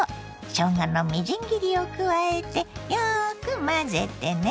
しょうがのみじん切りを加えてよく混ぜてね。